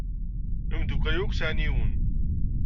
Imeddukal-iw akk sɛan yiwen.